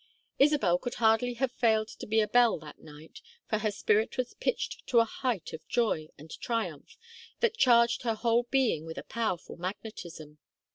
Isabel could hardly have failed to be a belle that night, for her spirit was pitched to a height of joy and triumph that charged her whole being with a powerful magnetism.